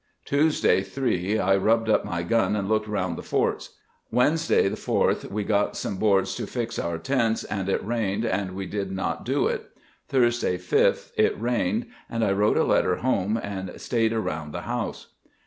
Tuesday, 3th I rubbed up my gun and looked round the forts. Wednesday 4th w(eg)ot some boards to fix out tents and it rained and we did not do it. Thursday 5th It rained, and I wrote a letter home and staid around the house."